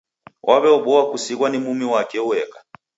Waw'eboa kusighwa ni mumi wake ueka